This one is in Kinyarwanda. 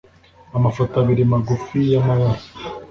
amafoto abiri magufi y’amabara